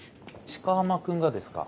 鹿浜君がですか？